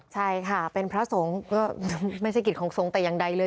ใช่ค่ะเป็นพระสงฆ์ก็ไม่ใช่กิจของสงฆ์แต่อย่างใดเลย